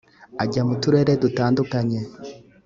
ajya mu turere dutandukanye